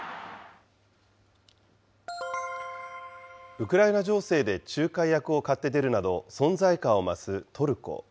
ウクライナ情勢で仲介役を買って出るなど、存在感を増すトルコ。